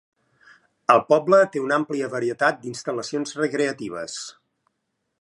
El poble té una àmplia varietat d'instal·lacions recreatives.